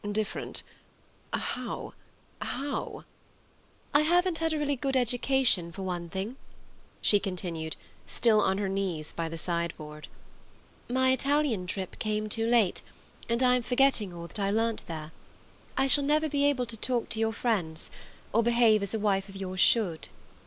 "Different—how—how—" "I haven't had a really good education, for one thing," she continued, still on her knees by the sideboard. "My Italian trip came too late, and I am forgetting all that I learnt there. I shall never be able to talk to your friends, or behave as a wife of yours should."